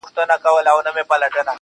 دغه د اور ځنځير ناځوانه ځنځير.